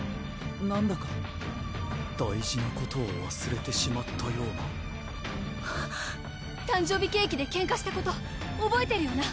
なんだか大事なことをわすれてしまったような誕生日ケーキでけんかしたことおぼえてるよな？